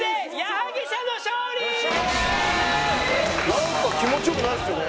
なんか気持ち良くないですよね。